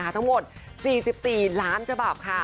ทั้งหมด๔๔ล้านจบาป